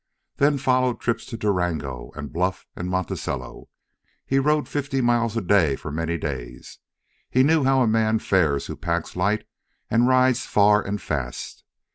Then followed trips to Durango and Bluff and Monticello. He rode fifty miles a day for many days. He knew how a man fares who packs light and rides far and fast.